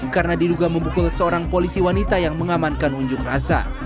karena diduga membukul seorang polisi wanita yang mengamankan unjuk rasa